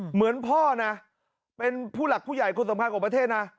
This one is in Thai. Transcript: เหมือนพ่อนะเป็นผู้หลักผู้ใหญ่คนสำคัญของประเทศนะ